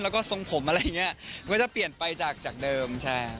แล้วก็ทรงผมอะไรอย่างนี้มันจะเปลี่ยนไปจากเดิมใช่